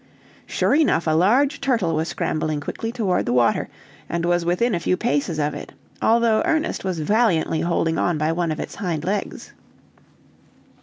Sure enough a large turtle was scrambling quickly toward the water, and was within a few paces of it, although Ernest was valiantly holding on by one of its hind legs.